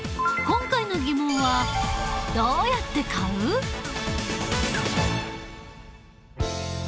今回のテーマは「どうやって買うか」。